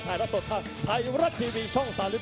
ถ่ายทัศน์สดทางไทยรัดทีวีช่อง๓๒